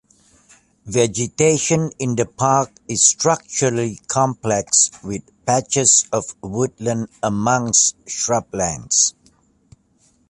Vegetation in the park is structurally complex, with patches of woodland amongst shrublands.